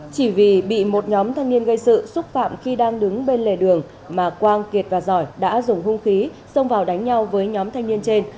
chỉ vì bị một nhóm thanh niên gây sự xúc phạm khi đang đứng bên lề đường mà quang kiệt và giỏi đã dùng hung khí xông vào đánh nhau với nhóm thanh niên trên